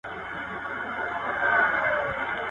دا درسونه له هغه مهم دي؟